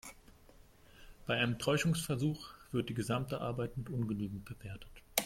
Bei einem Täuschungsversuch wird die gesamte Arbeit mit ungenügend bewertet.